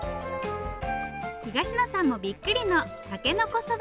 東野さんもびっくりのたけのこそば